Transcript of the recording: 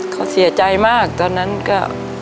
เขาเสียใจมากตอนนั้นก็